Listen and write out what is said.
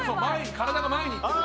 体が前に行ってる。